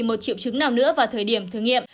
một triệu chứng nào nữa vào thời điểm thử nghiệm